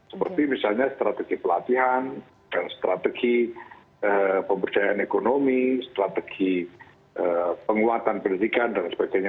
seperti misalnya strategi pelatihan strategi pemberdayaan ekonomi strategi penguatan pendidikan dan sebagainya